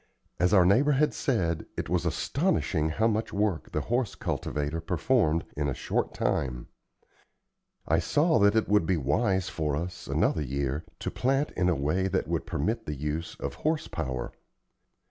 As our neighbor had said, it was astonishing how much work the horse cultivator performed in a short time. I saw that it would be wise for us, another year, to plant in a way that would permit the use of horse power.